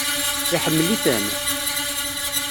Iḥemmel-iten?